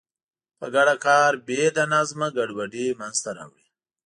په ګډه کار بې له نظمه ګډوډي منځته راوړي.